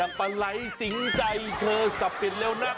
นางปลาไหลสิงใจเธอสะเป็นเร็วหน้า